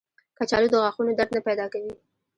کچالو د غاښونو درد نه پیدا کوي